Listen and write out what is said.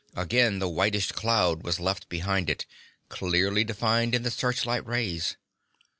Again the whitish cloud was left behind it, clearly defined in the searchlight rays.